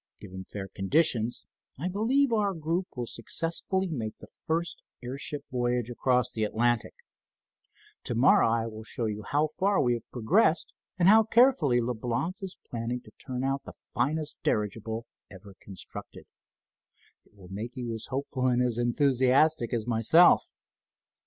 Given fair conditions, I believe our group will successfully make the first airship voyage across the Atlantic. To morrow I will show you how far we have progressed, and how carefully Leblance is planning to turn out the finest dirigible ever constructed. It will make you as hopeful and enthusiastic as myself."